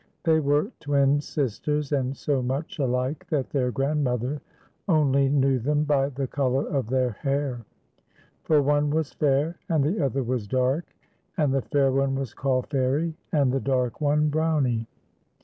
They were twin sisters, and so much alike that their grandmother only knew them by the colour of their hair; for one was fair and the other was dark, and the fair one was called Fairie, and the dark one, Brownie.